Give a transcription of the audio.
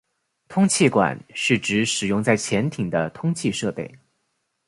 通气管是指使用在潜艇的通气设备。